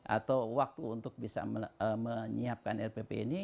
atau waktu untuk bisa menyiapkan rpp ini